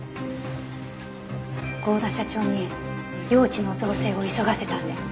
合田社長に用地の造成を急がせたんです。